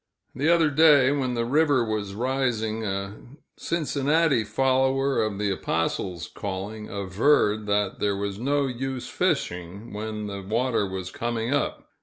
The other day, when the river was rising, a Cincinnati follower of the apostle's calling averred that there was no use fishing when the water was coming up.